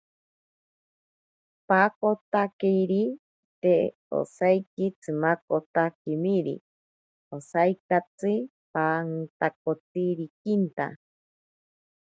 Paakotakiri te osaiki tsimakotakimiri, osaikatsi pantakotsirikinta.